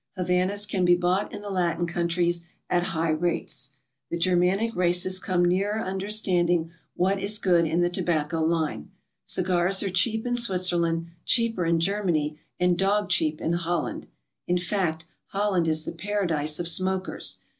Havanas can be bought in the Latin countries, at high rates. The Germanic races come nearer understanding What is good in the tobacco line. Cigars are cheap in Switzerland, cheaper in Germany, and "dog cheap" in Holland. In fact, Holland is the paradise of smokers.